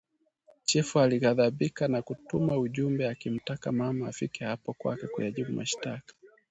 Chifu aligadhabika na kutuma ujumbe akimtaka mama afike hapo kwake kuyajibu mashtaka